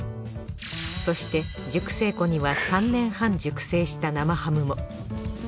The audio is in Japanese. そして熟成庫には３年半熟成した生ハムも。